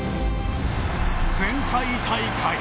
前回大会。